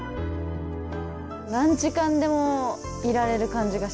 何時間でもいられる感じがします。